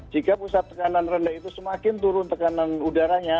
jika pusat tekanan rendah itu semakin turun tekanan udaranya